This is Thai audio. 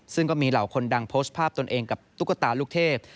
ซึ่งก็มีเหล่าคนดังโพสต์ภาพตนเองกับตุ๊กตาลูกเทพ